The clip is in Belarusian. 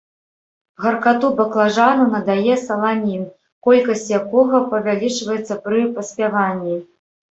Гаркату баклажану надае саланін, колькасць якога павялічваецца пры паспяванні.